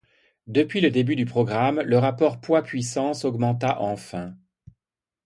Depuis le début du programme, le rapport poids-puissance augmenta enfin.